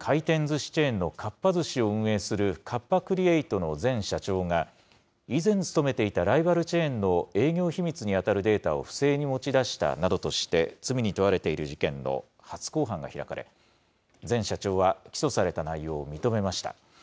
回転ずしチェーンのかっぱ寿司を運営するカッパ・クリエイトの前社長が、以前、勤めていたライバルチェーンの営業秘密に当たるデータを不正に持ち出したなどとして、罪に問われている事件の初公判が開かれ、前社長は起訴された内容を認めました。